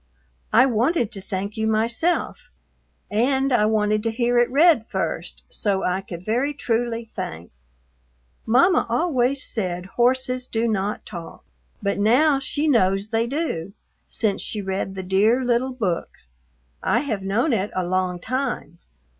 I wanted to thank you myself, and I wanted to hear it read first so I could very trully thank. Mama always said horses do not talk, but now she knows they do since she read the Dear little book. I have known it along time.